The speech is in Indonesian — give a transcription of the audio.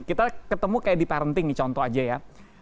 kita ketemu kayak di parenting nih contoh aja ya